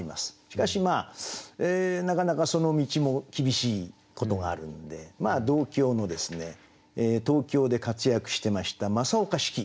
しかしなかなかその道も厳しいことがあるんで同郷の東京で活躍してました正岡子規。